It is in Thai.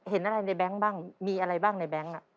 เห็นอะไรในแบงค์บ้างมีอะไรบ้างในแง๊ง